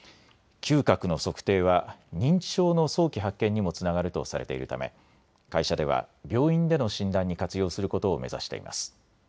嗅覚の測定は認知症の早期発見にもつながるとされているため会社では病院での診断に活用することを目指しています。